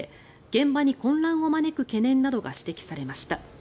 現場に混乱を招く懸念などが指摘されました。